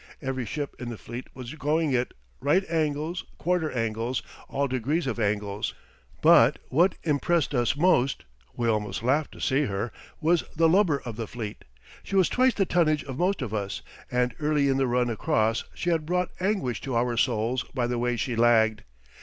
Every ship in the fleet was going it right angles, quarter angles, all degrees of angles. But what impressed us most we almost laughed to see her was the lubber of the fleet. She was twice the tonnage of most of us, and early in the run across she had brought anguish to our souls by the way she lagged.